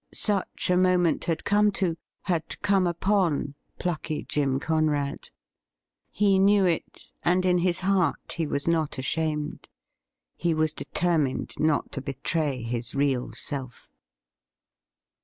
Such a moment had come to — had come upon — plucky Jim Con rad. He knew it, and in his heart he was not ashamed. He was determined not to betray his real self.